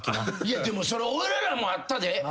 でもそれ俺らもあったで。